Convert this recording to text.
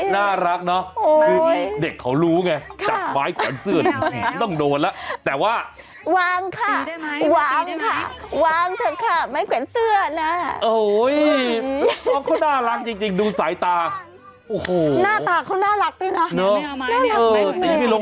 ไม้แขวนเสื้อตีได้ไหม